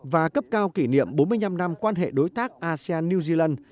và cấp cao kỷ niệm bốn mươi năm năm quan hệ đối tác asean